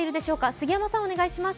杉山さん、お願いします。